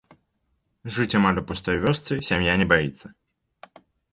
Жыць у амаль пустой вёсцы сям'я не баіцца.